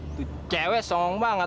itu cewek song banget mobilnya ini